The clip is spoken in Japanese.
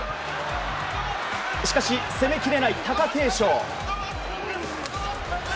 しかし、攻めきれない貴景勝。